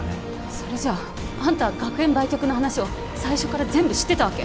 それじゃあんたは学園売却の話を最初から全部知ってたわけ？